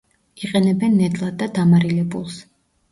იყენებენ ნედლად და დამარილებულს.